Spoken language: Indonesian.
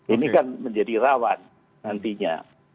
ini kan menjadi rawan nantinya